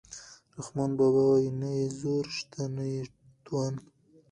رحمان بابا وايي نه یې زور شته نه یې توان.